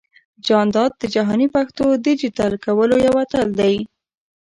جانداد جهاني د پښتو ډىجيټل کولو يو اتل دى.